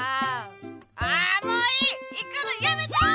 あもういい行くのやめた！